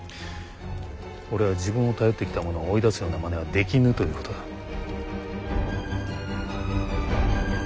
俺は自分を頼ってきた者を追い出すようなまねはできぬということだ。